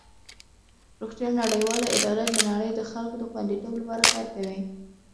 روغتیا نړیواله اداره د نړۍ د خلکو د خوندیتوب لپاره کار کوي.